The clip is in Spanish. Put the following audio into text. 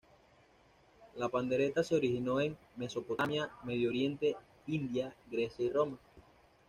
La pandereta se originó en Mesopotamia, Medio Oriente, India, Grecia y Roma.